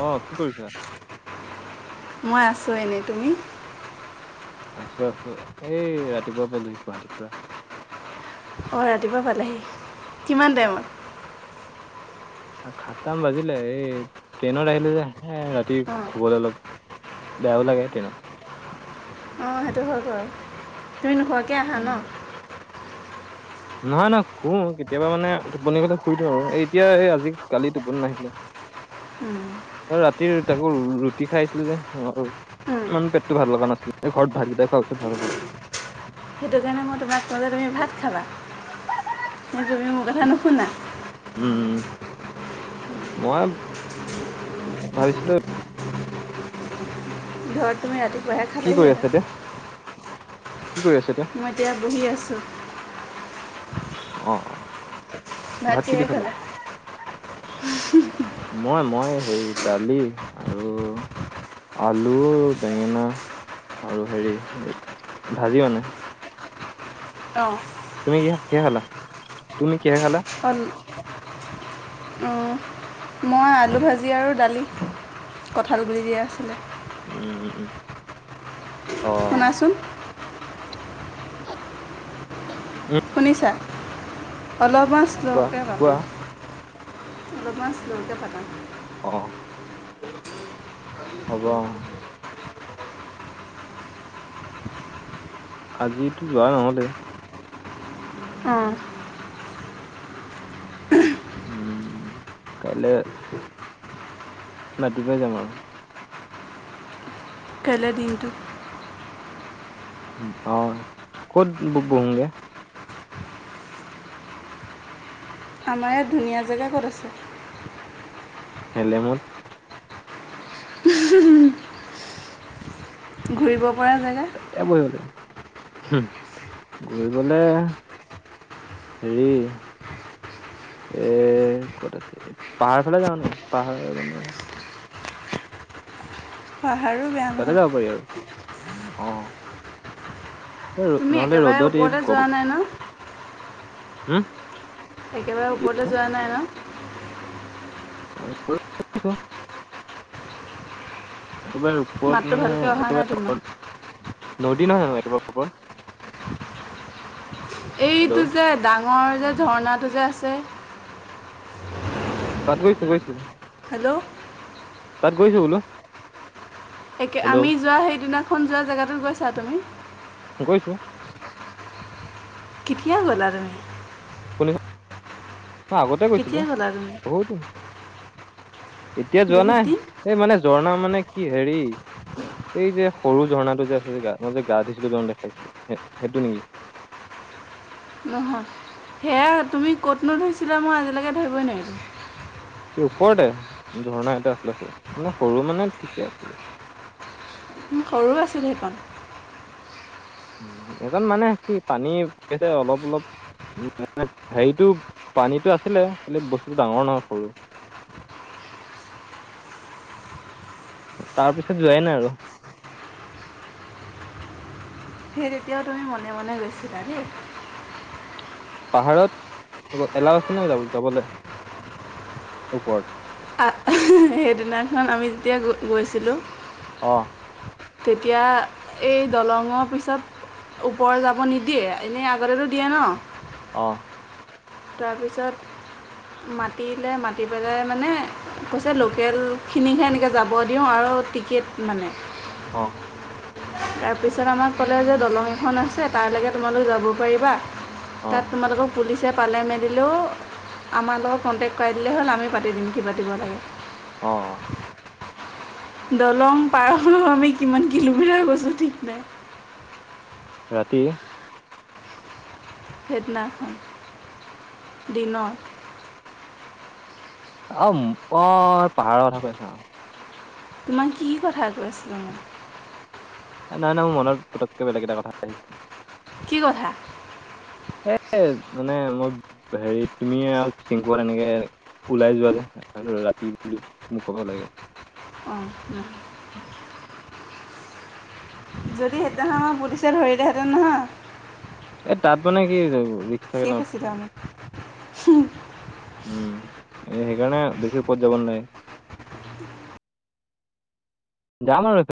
অ, কি কৰিছা? মই আছো এনেই তুমি? আছো- আছো এই ৰাতিপুৱাৰ পৰা লুইত গুৱাহাটী পৰা। অ, ৰাতিপুৱা পালেহি কিমান টাইমত? সাতটামান বাজিলে এই ট্ৰেইনত আহিলোঁ যে হে ৰাতি অঁ শুবলৈ অলপ বেয়াও লাগে তে ন? অ' সেইটো হয় বাৰু তুমি নোখোৱাকে আহা উম ন'। নহয় নহয় শু কেতিয়াবা মানে টোপনি গলে শুই দিও আৰু এই এতিয়া এই আজি কালি টোপনি নাহিলে। ৰাতিৰ তাকৌ ৰুটি খাই আছিলো যে অ'। মানে পেটতো ভাল লগা নাছিলে ঘৰত ভাতকেইটা খুৱাৰ পাছত ভাল হ'ব। সেইটো কাৰণে মই তোমাক ক'লে তুমি ভাত খালা কিন্তু তুমি মোৰ কথা নুশুনা। উম, মই ভাবিছিলোঁ [unintelligible] তুমি ৰাতিপুৱাহে কি কৰি খালাহিহেঁতেন আছা এতিয়া, কি কৰি আছা এতিয়া। মই এতিয়া বহি আছো। অ ভাত কিহেৰে খালা? মই, মই হেৰি দালি আৰু আলু, বেঙেনা আৰু হেৰি ভাজি মানে। অ'। তুমি কি শাক কিহে খালা, তুমি কিহে খালা? অল উ। মই আলু ভাজি আৰু দালি কঁঠাল গুটি দিয়া আছিলে। উম উম অ শুনাচোন। উম শুনিছা অলপমান কোৱা শ্ল'কে ভাবা। কোৱা অলপমান শ্লকে পাতা। অ'। হব আজি টো যোৱা নহলে উম উম কাইলে ৰাতিপুৱাই যাম আৰু কাইলে দিনটো উম অ' ক'ত বহোঙগে। আমাৰ ইয়াত ধুনীয়া জেগা ক'ত আছে। হেলেমত ঘূৰিব পৰা জেগা। এয়াতে বহিব লাগিব গুৰিবলে। হেৰি এ ক'ত আছে পাহাৰ ফালে যাওঁ নেকি পাহাৰ মানে। পাহাৰো বেয়া। তাতে নহয় যাব পাৰি আৰু অ'। এই ৰ- তুমি নহলে একেবাৰে ৰ'দত ওপৰতে যোৱা নাই ন'। হোম একেবাৰে ওপৰতে যোৱা নাই ন? এ ওপৰত গৈছোঁ। একেবাৰে ওপৰত মাতটো মানে ভালকৈ অহা নাই তোমাৰ একেবাৰে নদী নহয় জানো একেবাৰে ওপৰত হেল্ল' এইটো যে ডাঙৰ যে ঝৰ্ণাটো যে আছে। তাত গৈছো গৈছো হেল্ল' তাত গৈছো বোলো একে হেল্ল' আমি যোৱা সেইদিনাখন যোৱা জেগাটোত গৈছা তুমি গৈছোঁ কেতিয়া গ'লা তুমি? শুনিছো [inaudible] মই আগতে গৈছিলোঁ কেতিয়া গ'লা তুমি বহুত দিন এতিয়া যোৱা বহুত নাই দিন এই মানে ঝৰ্ণা মানে কি হেৰি এই যে সৰু ঝৰ্ণাটো যে আছে যে গা মই যে গা ধুইছিলো [unintelligible] দেখাইছিলোঁ সেইটো নেকি? নহয় সেয়া তুমি ক'তনো ধৰিছিলা মই আজিলৈকে ধৰিবই নোৱাৰিলো ওপৰতে ঝৰ্ণা এটা আছিলে সৰু মানে সৰু মানে ঠিকে আছিলে ওম সৰু আছিলে সেইখন এজন মানে কি পানী [unintelligible] অলপ - অলপ উম, [unintelligible] হেৰিটো পানীটো আছিলে খালি বস্তুটো ডাঙৰ নহয় সৰু। তাৰ পিছত যোৱাই নাই আৰু। সেই তেতিয়াওঁ তুমি মনে-মনে গৈছিলা দে। পাহাৰত এলাওঁ আছে নে যাব- যাবলে ওপৰত? তাত [unintelligible] সেইদিনাখন আমি যেতিয়া গৈছিলোঁ অ', তেতিয়া এই দলঙৰ পিছত ওপৰ যাব নিদিয়ে এনেই আগতেতো দিয়ে ন? অ', তাৰপিছত মাতিলে মাতি পেলাই মানে কৈছে লোকেলখিনিকহে এনেকৈ যাব দিওঁ আৰু টিকেট মানে অ', তাৰপিছত আমাক ক'লে যে দলং এখন আছে তাৰলৈকে তোমালোক যাব পাৰিবা অ তাত তোমালোকক পুলিচে পালে মেলিলেও আমাৰ লগত কণ্টেক্ট কৰাই দিলেই হ'ল আমিও পাতি দিম কি পাতিব লাগে। অ', দলং পাৰ হৈ আমি কিমান কিলোমিটাৰ গৈছো ঠিক নাই। ৰাতি? সেইদিনাখন দিনত। [unintelligible] পাহাৰৰ কথা কৈ আছা? তোমাক কি কথা কৈ আছিলো মই? এ নাই -নাই মোৰ মনত পতকে বেলেগ এটা কথা আহিছিলে। কি কথা? এ মানে মই হেৰি তুমি আৰু চিংকোহত এনেকে ওলাই যোৱা যে ৰাস্তা লৈ ৰাতি বুলি মোক ক'ব লাগিব। অ, [unintelligible] যদি সেইদিনাখন আমাক পুলিচে ধৰিলেহেঁতেন নহয় এ তাত মানে কি হৈ যাব? শেষ আছে [unintelligible] উম, এ সেইকাৰণে বেছি উপদ যাব নালাগে। যাম আৰু এই